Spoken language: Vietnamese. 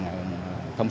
cảnh sát giao thông